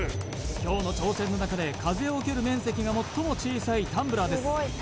今日の挑戦の中で風を受ける面積が最も小さいタンブラーです